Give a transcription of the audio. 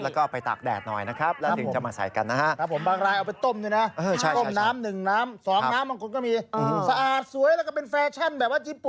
แล้วก็เอาไปตากแดดหน่อยนะครับแล้วถึงจะมาใส่กันนะฮะ